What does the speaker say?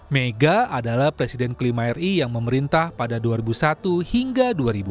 mega adalah presiden kelima ri yang memerintah pada dua ribu satu hingga dua ribu empat